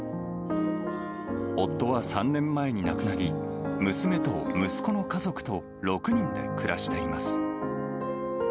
夫は３年前に亡くなり、娘と息子の家族と６人で暮らしています。